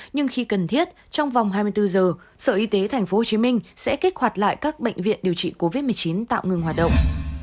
nhưng khi cần thiết trong vòng hai mươi bốn giờ sở y tế tp hcm sẽ kích hoạt lại các bệnh viện điều trị covid một mươi chín tạm ngừng hoạt động